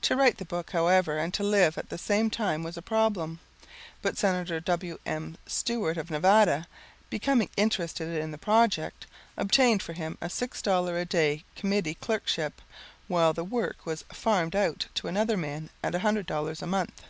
To write the book, however, and to live at the same time was a problem, but Senator W. M. Stewart of Nevada, becoming interested in the project, obtained for him a six dollar a day committee clerkship, while the work was "farmed" out to another man at $100 a month.